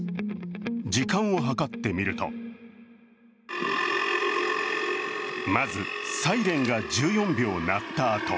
時間を計ってみると、まず、サイレンが１４秒鳴ったあと